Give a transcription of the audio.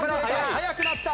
速くなった。